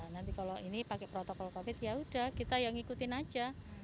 nanti kalau ini pakai protokol covid sembilan belas yaudah kita yang ikutin aja